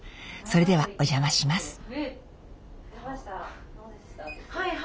それではお邪魔します。